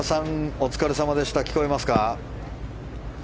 お疲れさまです。